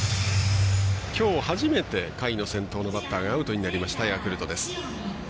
きょう、初めて回の先頭のバッターがアウトになりました、ヤクルト。